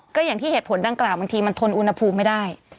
ก็อย่างที่เหตุผลดังกล่าวบางทีมันทนอุณหภูมิไม่ได้